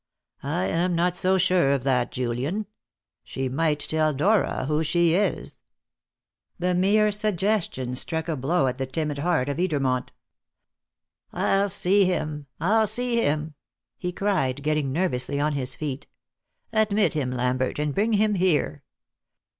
"I am not so sure of that, Julian. She might tell Dora who she is." The mere suggestion struck a blow at the timid heart of Edermont. "I'll see him! I'll see him!" he cried, getting nervously on his feet. "Admit him, Lambert, and bring him here.